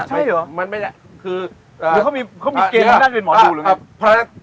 ใช่เหรอมันไม่ได้คืออ่าเขามีเขามีเกณฑ์ที่น่าเกิดหมอดูหรือไง